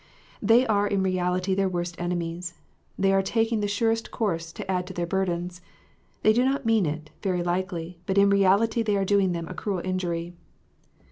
They are in reality their worst enemies : they are taking the surest course to add to their burdens. They do not mean it, very likely, but in reality they are doing them a cruel injury.